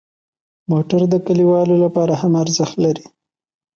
موټر د کلیوالو لپاره هم ارزښت لري.